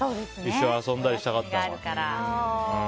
一緒に遊んだりしたかったのかな。